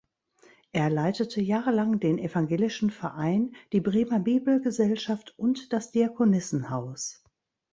Er leitete jahrelang den Evangelischen Verein, die Bremer Bibelgesellschaft und das Diakonissenhaus.